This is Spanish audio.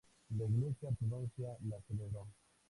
La Iglesia ortodoxa la celebró.